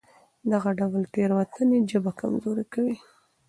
دغه ډول تېروتنې ژبه کمزورې کوي.